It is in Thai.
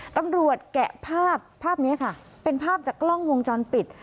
แกะภาพภาพนี้ค่ะเป็นภาพจากกล้องวงจรปิด